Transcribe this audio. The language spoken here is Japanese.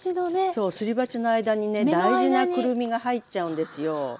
そうすり鉢の間にね大事なくるみが入っちゃうんですよ。